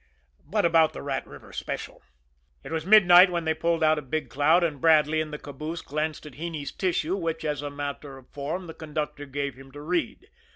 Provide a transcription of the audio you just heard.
But about the Rat River Special It was midnight when they pulled out of Big Cloud; and Bradley, in the caboose, glanced at Heney's tissue, which, as a matter of form, the conductor gave him to read.